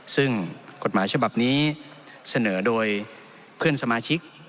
ซึ่งกฎหมายฉบับนี้เสนอโดยเพื่อนสมาชิก